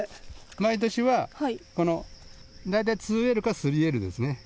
毎年はこの大体２Ｌか３Ｌですね。